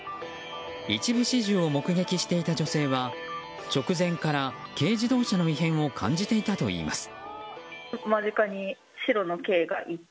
一部始終を目撃していた女性は直前から軽自動車の異変を感じていたといいます。